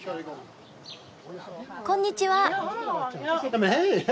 こんにちは！